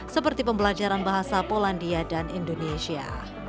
seperti pembelajaran bahasa polandia dan indonesia